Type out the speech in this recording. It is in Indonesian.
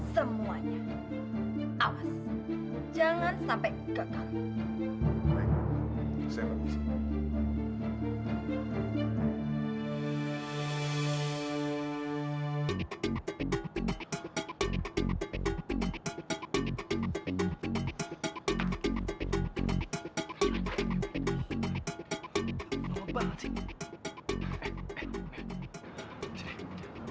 semuanya jangan sampai